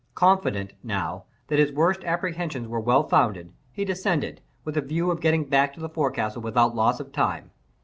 Confident, now, that his worst apprehensions were well founded, he descended, with a view of getting back to the forecastle without loss of time.